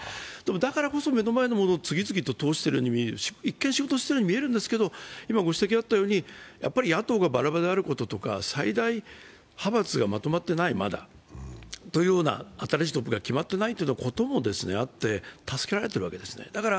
だからこそ、目の前のものを次々と通しているように見えるし、一見仕事しているように見えるんですけど、やっぱり野党がバラバラであることとか、最大派閥がまだまとまっていない、新しいトップが決まっていないということもあって助けられているわけですね。